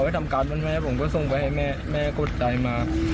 ทำการบ้านแม่ผมก็ส่งไปให้แม่แม่กดใจมา